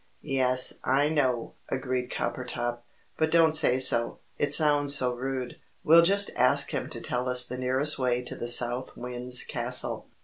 "Yes, I know," agreed Coppertop; "but don't say so, it sounds so rude. We'll just ask him to tell us the nearest way to the South Wind's Castle."